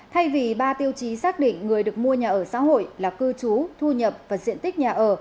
thay vì ba tiêu chí xác định người được mua nhà ở xã hội là cư trú thu nhập và diện tích nhà ở